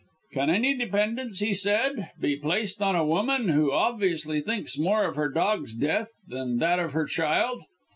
"Can any dependence," he said, "be placed on a woman, who obviously thinks more of her dog's death than that of her child!"